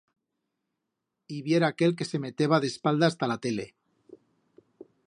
Ib'yera aquel que se meteba d'espaldas ta la tele.